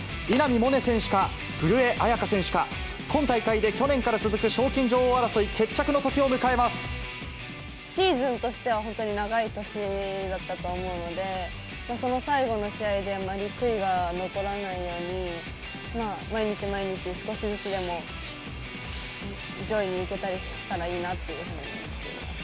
萌寧選手か古江彩佳選手か、今大会で、去年から続く賞金女王シーズンとしては本当に長い年だったと思うので、その最後の試合で、あまり悔いが残らないように毎日毎日、少しずつでも、上位にいけたりしたらいいなと思ってます。